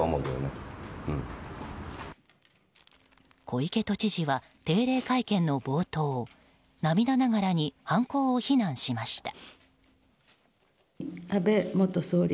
小池都知事は定例会見の冒頭涙ながらに犯行を非難しました。